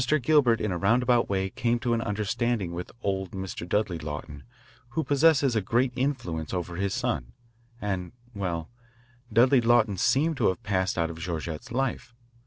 Gilbert in a roundabout way came to an understanding with old Mr. Dudley Lawton, who possesses a great influence over his son, and well, Dudley Lawton seemed to have passed out of Georgette's life.